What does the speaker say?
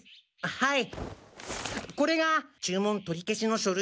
はい。